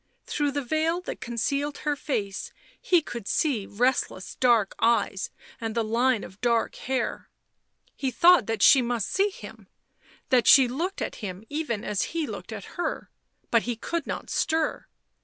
Through the veil that concealed her face he could see restless dark eyes and the line of dark hair ; he thought that she must see him, that she looked at him even as he looked at her, but he could not stir.